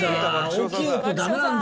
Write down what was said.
大きい音ダメなんだよ。